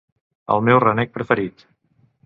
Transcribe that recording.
El meu renec preferit